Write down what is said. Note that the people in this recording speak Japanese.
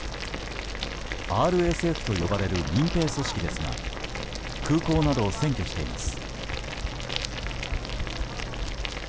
ＲＳＦと呼ばれる民兵組織ですが空港などを占拠しています。